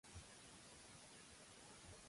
El Déu que el pela!